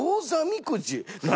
何？